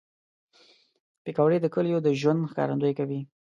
پکورې د کلیو د ژوند ښکارندویي کوي